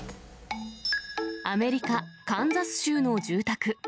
アメリカ・カンザス州の住宅。